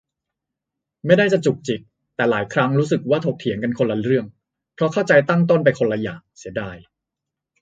ไม่ได้จะจุกจิก แต่หลายครั้งรู้สึกว่าถกเถียงกันคนละเรื่อง เพราะเข้าใจตั้งต้นไปคนละอย่าง เสียดาย